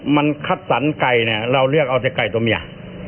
มันคัดสรรไก่เนี่ยเราเลือกเอาแต่ไก่ตัวเมีย